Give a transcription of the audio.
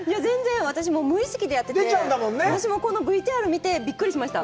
私も無意識でやってて、私もこのＶＴＲを見てびっくりしました。